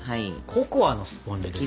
ココアのスポンジですね。